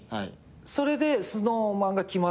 それでＳｎｏｗＭａｎが決まったの？